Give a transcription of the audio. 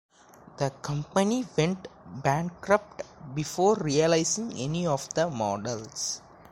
The company went bankrupt before releasing any of the models.